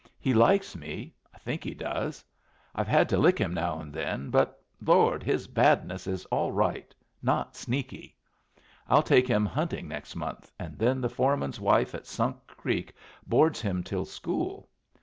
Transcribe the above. He likes me: I think he does. I've had to lick him now and then, but Lord! his badness is all right not sneaky. I'll take him hunting next month, and then the foreman's wife at Sunk Creek boards him till school.